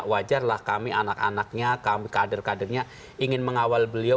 wajarlah kami anak anaknya kami kader kadernya ingin mengawal beliau